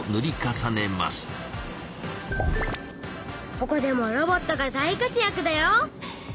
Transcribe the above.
ここでもロボットが大活やくだよ。